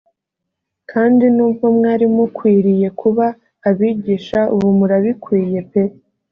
kandi n’ubwo mwari mukwiriye kuba abigisha ubumurabikwiye pe